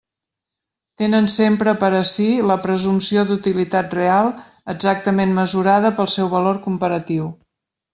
Tenen sempre per a si la presumpció d'utilitat real, exactament mesurada pel seu valor comparatiu.